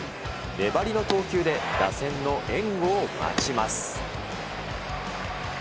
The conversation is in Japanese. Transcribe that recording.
粘りの投球で打線の援護を待ちます。